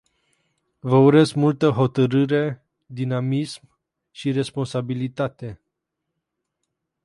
Vă urez multă hotărâre, dinamism și responsabilitate.